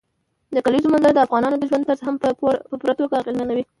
د کلیزو منظره د افغانانو د ژوند طرز هم په پوره توګه اغېزمنوي.